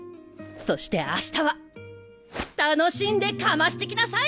そして明日は楽しんでかましてきなさい！